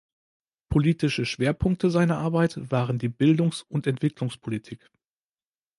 Politische Schwerpunkte seiner Arbeit waren die Bildungs- und Entwicklungspolitik.